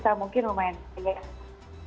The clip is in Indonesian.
sayur ini lumayan penyakit